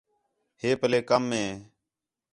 ہے پَلّے کَم ہِے